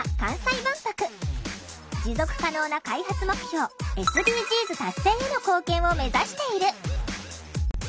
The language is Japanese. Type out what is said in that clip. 持続可能な開発目標ＳＤＧｓ達成への貢献を目指している。